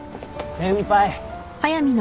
先輩。